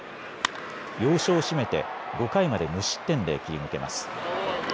要所を締めて５回まで無失点で切り抜けます。